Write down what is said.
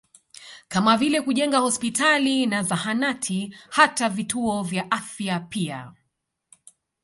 Kama vile kujenga hospitali na zahanati hata vituo vya afya pia